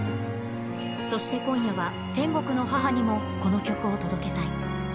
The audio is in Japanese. そして今夜は、天国の母にもこの曲を届けたい。